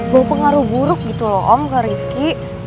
bawa pengaruh buruk gitu loh om ke rifki